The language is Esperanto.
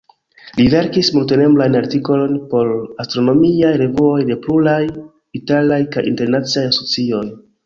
Li verkis multenombrajn artikolojn por astronomiaj revuoj de pluraj italaj kaj internaciaj asocioj.